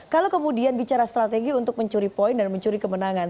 kalau kemudian bicara strategi untuk mencuri poin dan mencuri kemenangan